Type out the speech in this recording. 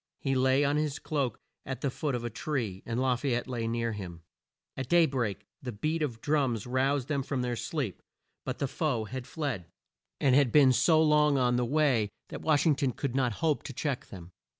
He lay on his cloak at the foot of a tree, and La fay ette lay near him. At day break the beat of drums roused them from their sleep, but the foe had fled, and had been so long on the way that Wash ing ton could not hope to check them.